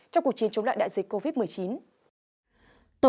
trong cuộc chiến chống lại đại dịch covid một mươi chín